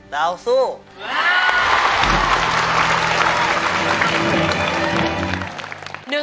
ดาวสู้